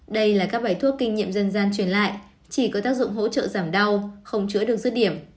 đây là các bài thuốc kinh nghiệm dân gian truyền lại chỉ có tác dụng hỗ trợ giảm đau không chữa được dứt điểm